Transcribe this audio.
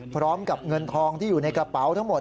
พร้อมกับเงินทองที่อยู่ในกระเป๋าทั้งหมด